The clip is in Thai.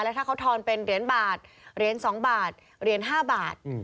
ถ้าเขาทอนเป็นเหรียญบาทเหรียญ๒บาทเหรียญ๕บาท